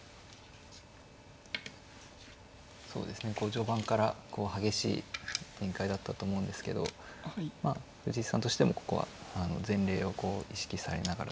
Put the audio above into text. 序盤から激しい展開だったと思うんですけど藤井さんとしてもここは前例を意識されながら。